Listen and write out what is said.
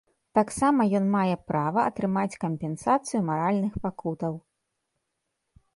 Таксама ён мае права атрымаць кампенсацыю маральных пакутаў.